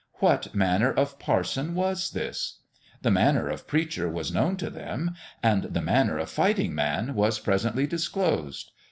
What manner of parson was this ? The manner of preacher was known to them ; and the manner of fighting man was presently dis closed.